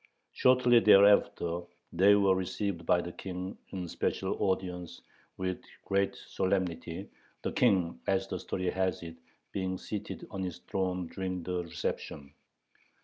Shortly thereafter they were received by the King in special audience, with great solemnity, the King, as the story has it, being seated on his throne during the reception.